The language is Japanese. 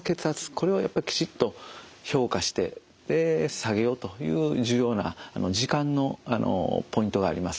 これをやっぱりきちっと評価してで下げようという重要な時間のポイントがあります。